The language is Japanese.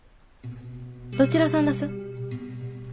どちらさんだす？